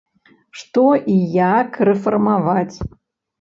Што і як рэфармаваць?